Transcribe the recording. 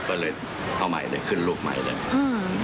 ก็เลยเอาใหม่เลยขึ้นรูปใหม่เลยอืม